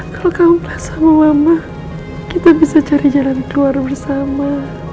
kalau kamu pas sama mama kita bisa cari jalan keluar bersama